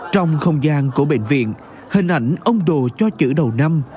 trong không gian của bệnh viện hình ảnh ông đồ cho chữ đầu năm